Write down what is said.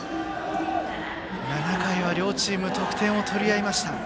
７回は両チーム得点を取り合いました。